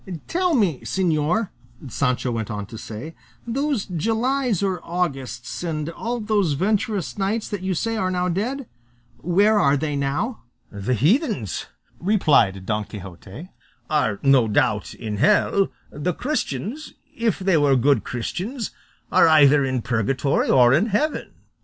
"Tell me, señor," Sancho went on to say, "those Julys or Augusts, and all those venturous knights that you say are now dead where are they now?" "The heathens," replied Don Quixote, "are, no doubt, in hell; the Christians, if they were good Christians, are either in purgatory or in heaven."